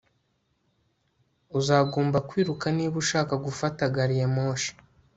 uzagomba kwiruka niba ushaka gufata gari ya moshi